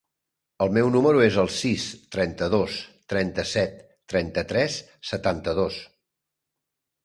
El meu número es el sis, trenta-dos, trenta-set, trenta-tres, setanta-dos.